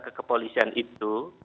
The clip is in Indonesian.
ke kepolisian itu